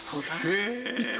へえ！